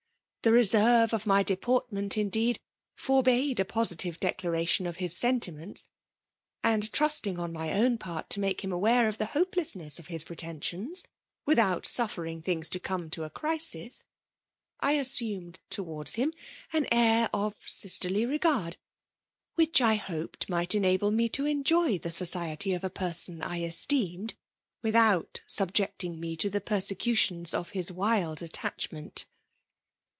The reserve of mj deporttnefit; indeed^ forbade a positive declaration of bissen^ tkoents ; and trusting, on mj own part, to make kim aware of the hopelessness of his preten^ sions, Tvithout suffering things to come to a crisis, I assumed towards him an air of sisterly regard, whidi I hoped might enable me to enjoy the society of a person I esteemed, with * out subjecting me to the persecutions of his wild attachment.